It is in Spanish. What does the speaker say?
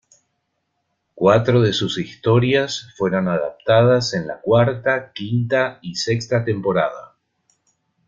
Cuatro de sus historias fueron adaptadas en la Cuarta, Quinta y Sexta Temporada.